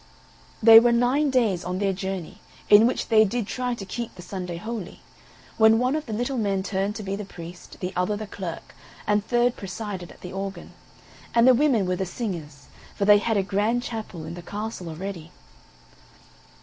They were nine days on their journey, in which they did try to keep the Sunday holy, when one of the little men turned to be the priest, the other the clerk, and third presided at the organ, and the women were the singers, for they had a grand chapel in the castle already.